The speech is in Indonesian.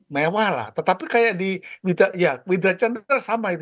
mewah lah tetapi kayak di widra chandra sama itu